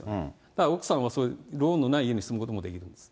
だから奥様はそういうローンのない家に住むこともできるんです。